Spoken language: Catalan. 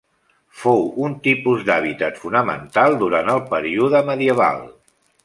Fou un tipus d'hàbitat fonamental durant el període medieval.